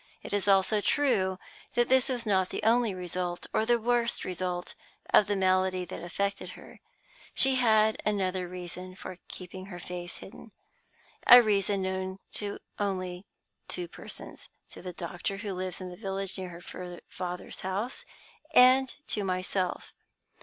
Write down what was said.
It is also true that this was not the only result, or the worst result, of the malady that afflicted her. She had another reason for keeping her face hidden a reason known to two persons only: to the doctor who lives in the village near her father's house, and to myself.